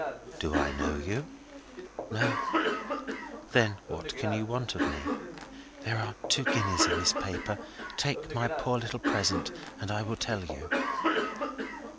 "Do I know you?" "No." "Then what can you want of me?" "Here are two guineas in this paper. Take my poor little present, and I will tell you."